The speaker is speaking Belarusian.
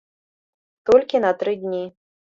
Толькі на тры дні.